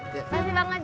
terima kasih bang ejak